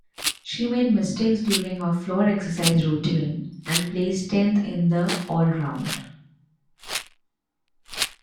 She made mistakes during her floor exercise routine and placed tenth in the all-around.